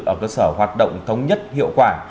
ở cơ sở hoạt động thống nhất hiệu quả